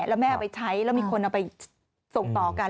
แล้วแม่เอาไปใช้แล้วมีคนเอาไปส่งต่อกัน